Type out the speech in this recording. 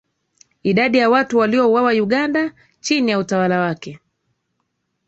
Idadi ya watu waliouawa Uganda chini ya utawala wake